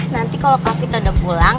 nanti kalau kak vita udah pulang